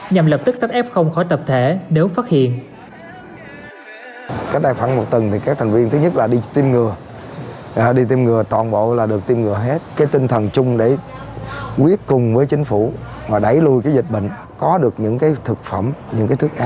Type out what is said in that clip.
nhằm lập tức tách ép không khỏi tập thể nếu phát hiện